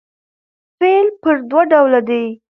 فعل پر دوه ډوله دئ.